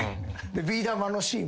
ビー玉のシーン